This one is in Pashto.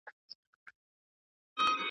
مزمن او ناعلاجه رنځ یوازنی طبیب دی `